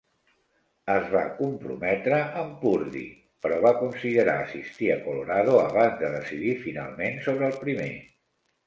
Es va comprometre amb Purdue, però va considerar assistir a Colorado abans de decidir finalment sobre el primer.